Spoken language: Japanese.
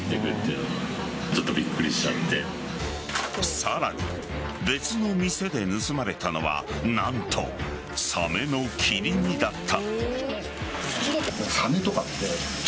さらに、別の店で盗まれたのは何と、サメの切り身だった。